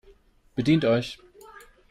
Bedient euch